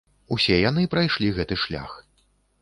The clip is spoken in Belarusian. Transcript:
Усе яны прайшлі гэты шлях.